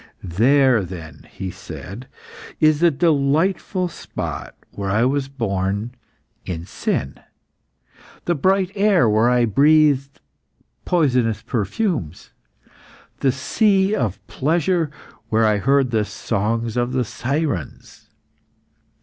"There, then," he said, "is the delightful spot where I was born in sin; the bright air where I breathed poisonous perfumes; the sea of pleasure where I heard the songs of the sirens.